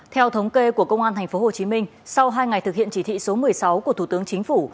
theo thống kê của công an tp hcm sau hai ngày thực hiện chỉ thị số một mươi sáu của thủ tướng chính phủ